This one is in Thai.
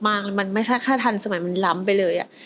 มันไม่ใช่แค่ทันสมัยมันล้ำไปเลย